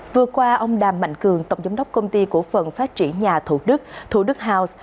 vừa qua ông đàm mạnh cường tổng giám đốc công ty cổ phần phát triển nhà thủ đức thủ đức house